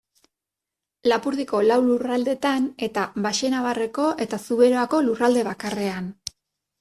Lapurdiko lau lurraldetan, eta Baxenabarreko eta Zuberoako lurralde bakarrean.